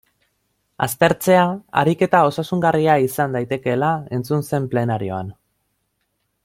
Aztertzea ariketa osasungarria izan daitekeela entzun zen plenarioan.